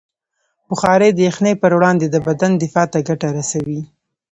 بخاري د یخنۍ پر وړاندې د بدن دفاع ته ګټه رسوي.